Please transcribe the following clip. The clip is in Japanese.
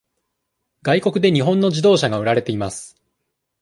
外国で日本の自動車が売られています。